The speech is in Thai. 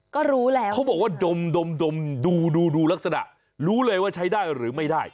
ก็รู้แล้วเขาบอกว่าดมดูดูลักษณะรู้เลยว่าใช้ได้หรือไม่ได้